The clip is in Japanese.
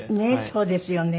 そうですよね。